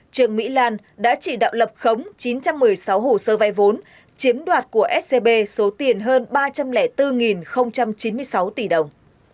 trương mỹ lan đã chỉ đạo lập khống chín trăm một mươi sáu hồ sơ vay vốn chiếm đoạt của scb số tiền hơn ba trăm linh bốn chín mươi sáu tỷ đồng